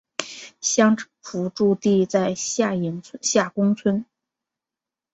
乡政府驻地在下宫村。